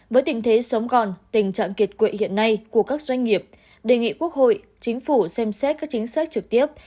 với tình thế sống còn tình trạng kiệt quệ hiện nay của các doanh nghiệp đề nghị quốc hội chính phủ xem xét các chính sách trực tiếp